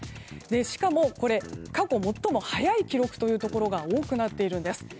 しかも過去最も早い記録というところが多くなっているんです。